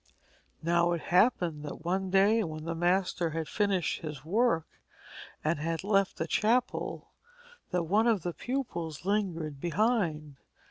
Now it happened that one day when the master had finished his work and had left the chapel, that one of the pupils lingered behind.